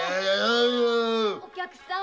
お客さん